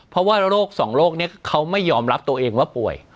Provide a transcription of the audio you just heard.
เพราะว่าโรคสองโรคนี้เขาไม่ยอมรับตัวเองว่าป่วย